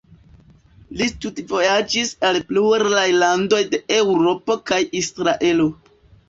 Li studvojaĝis al pluraj landoj de Eŭropo kaj Israelo.